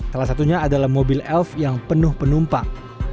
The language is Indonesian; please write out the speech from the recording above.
salah satunya adalah mobil elf yang penuh penumpang